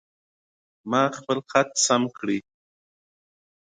ما لیک سم کړ.